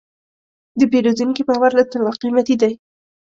د پیرودونکي باور له طلا قیمتي دی.